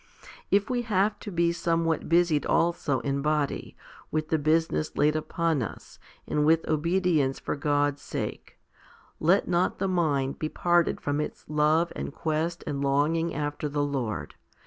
If we have to be some what busied also in body, with the business laid upon us, and with obedience for God's sake, let not the mind be parted from its love and quest and longing after the Lord ; 1 2 Cor.